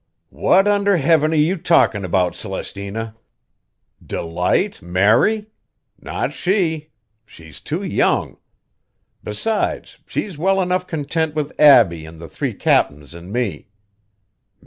"What under heaven are you talkin' about, Celestina? Delight marry? Not she! She's too young. Besides, she's well enough content with Abbie an' the three captains an' me.